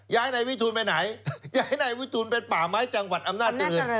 นายวิทูลไปไหนย้ายนายวิทูลเป็นป่าไม้จังหวัดอำนาจเจริญ